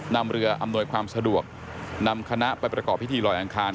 นำเรืออำนวยความสะดวกนำคณะไปประกอบพิธีลอยอังคาร